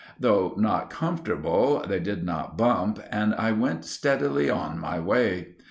Though not comfortable, they did not bump, and I went steadily on my way.